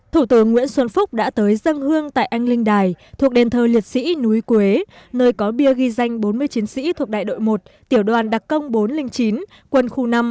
thủ tướng nguyễn xuân phúc đã tới dân hương tại anh linh đài thuộc đền thờ liệt sĩ núi quế nơi có bia ghi danh bốn mươi chiến sĩ thuộc đại đội một tiểu đoàn đặc công bốn trăm linh chín quân khu năm